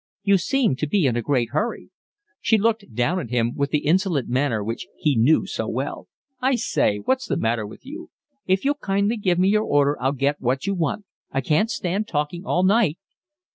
"You seem to be in a great hurry." She looked down at him with the insolent manner which he knew so well. "I say, what's the matter with you?" he asked. "If you'll kindly give your order I'll get what you want. I can't stand talking all night."